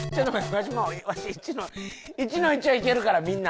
わしもうわし１の１−１はいけるからみんな！